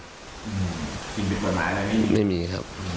สิ่งผิดกฎหมายอะไรไม่มีครับ